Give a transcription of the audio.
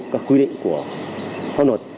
các quy định của pháp luật